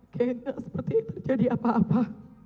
kayaknya seperti itu jadi apa apa